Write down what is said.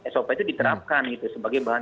sop itu diterapkan gitu sebagai bahan